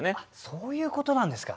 そういうことなんですか。